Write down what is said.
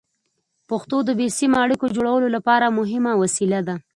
پښتو د بې سیمه اړیکو جوړولو لپاره مهمه وسیله ده.